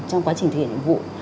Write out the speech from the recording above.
trong quá trình thực hiện nhiệm vụ